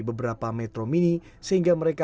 beberapa metro mini sehingga mereka